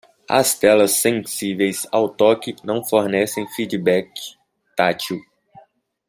As telas sensíveis ao toque não fornecem feedback tátil.